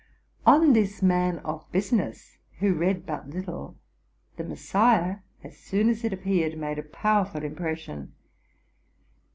On this man of business, who read but little, '* The Mes siah,'' as soon as it appeared, made a powerful impression.